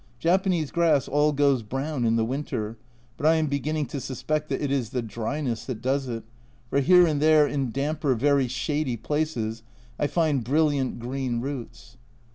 Japanese grass all goes brown in the winter, but I am beginning to suspect that it is the dryness that does it, for here and there in damper, very shady places, I find brilliant green roots.